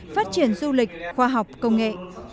phát triển du lịch khoa học công nghệ